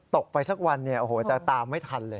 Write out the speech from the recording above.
ตกไปสักวันเนี่ยโอ้โหจะตามไม่ทันเลย